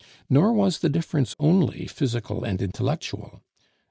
Nor was the difference only physical and intellectual.